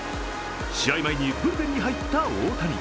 試合前にブルペンに入った大谷。